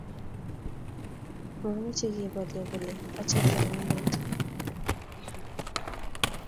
Mameche kobolyo kole achame awendoto